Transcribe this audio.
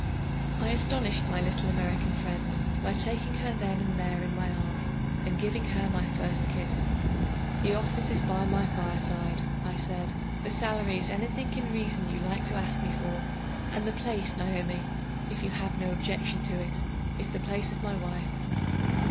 I astonished my little American friend by taking her then and there in my arms, and giving her my first kiss. "The office is by my fireside," I said; "the salary is anything in reason you like to ask me for; and the place, Naomi, if you have no objection to it, is the place of my wife."